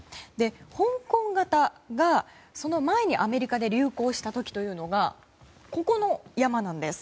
香港型が、その前にアメリカで流行した時というのがここの山なんです。